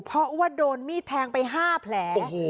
เพราะว่าโดนมีดแทงไป๕แผล